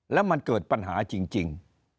แล้วมันเกิดปัญหาจริง